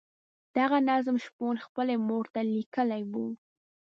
دغه نظم شپون خپلې مور ته لیکلی وو.